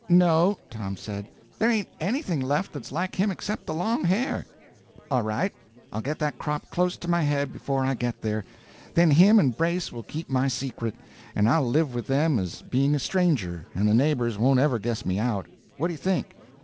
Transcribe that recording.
"No," Tom said; "there ain't anything left that's like him except the long hair." "All right, I'll get that cropped close to my head before I get there; then him and Brace will keep my secret, and I'll live with them as being a stranger, and the neighbors won't ever guess me out. What do you think?"